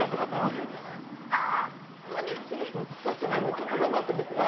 ちょっと黙っててくれる？